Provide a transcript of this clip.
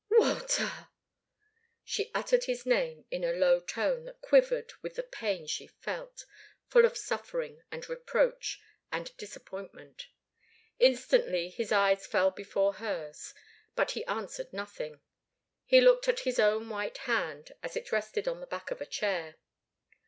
"Walter!" She uttered his name in a low tone that quivered with the pain she felt, full of suffering, and reproach, and disappointment. Instantly his eyes fell before hers, but he answered nothing. He looked at his own white hand as it rested on the back of a chair.